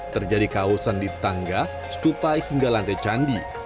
terjadi kaosan di tangga stupai hingga lantai candi